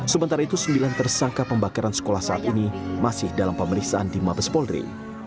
sementara itu sembilan tersangka pembakaran sekolah saat ini masih dalam pemeriksaan di mabes polri